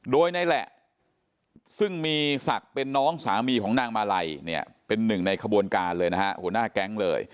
โดยในแหละซึ่งมีศักดิ์เป็นน้องสามีของนางมาลัยเนี่ยเป็นหนึ่งในขบวนการเลยนะฮะหัวหน้าแก๊งเลย